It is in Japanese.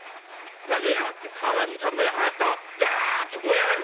屋根へ上がって瓦２３枚剥がすとダッと燃え上がる。